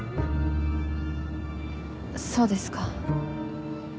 そうですか。